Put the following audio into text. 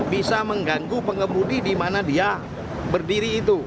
bisa mengganggu pengemudi di mana dia berdiri itu